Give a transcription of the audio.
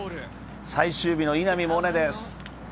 最終日の稲見萌寧です。